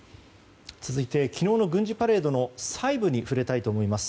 続いて昨日の軍事パレードの細部に触れたいと思います。